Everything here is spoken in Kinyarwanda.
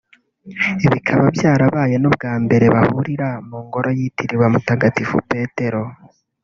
Bikaba byarabye n’ubwa mbere bahurira mu ngoro yitiriwe Mutagatifu Petero